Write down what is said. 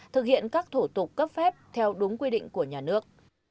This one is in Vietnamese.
thực hiện các thủ tục cấp phép theo đúng quy định của nhà nước